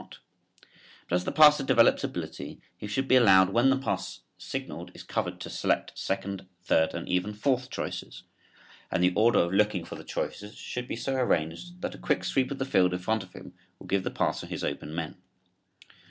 But as the passer develops ability he should be allowed when the pass signalled is covered to select second, third and even fourth choices, and the order of looking for the choices should be so arranged that a quick sweep of the field in front of him will give the passer his open men.